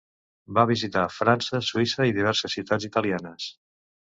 Va visitar França, Suïssa i diverses ciutats italianes.